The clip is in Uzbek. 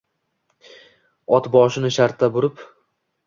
Ot boshini shartta burib